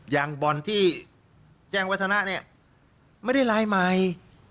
อย่างบ่อนที่แจ้งวัฒนะเนี่ยไม่ได้ลายใหม่